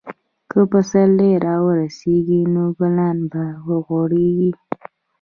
که پسرلی راورسیږي، نو ګلان به وغوړېږي.